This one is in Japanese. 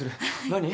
何？